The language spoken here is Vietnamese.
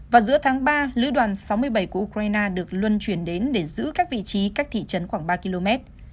và giữa tháng ba lưu đoàn sáu mươi bảy của ukraine được luân chuyển đến để giữ các vị trí các thị trấn khoảng ba km